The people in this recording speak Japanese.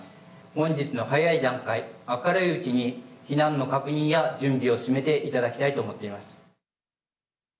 本日の早い段階、明るいうちに避難の確認や準備を進めていただきたいと思っています。